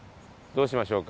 そうしましょう。